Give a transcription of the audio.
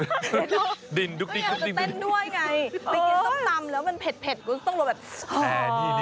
ไม่อยากจะเต้นด้วยไงไปกินส้มตำแล้วมันเผ็ดก็ต้องลงแบบ